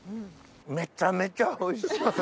めちゃめちゃおいしい！